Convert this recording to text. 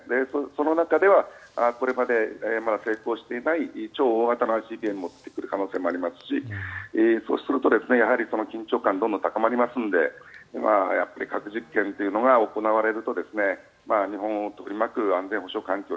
その中ではこれまで成功していない超大型のＩＣＢＭを撃ってくる可能性もありますしそうすると緊張感がどんどん高まりますので核実験というのが行われると日本を取り巻く安全保障環境